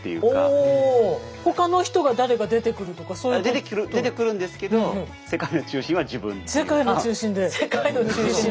他の人が誰か出てくるとかそういうことは？出てくるんですけど世界の中心は自分っていうか。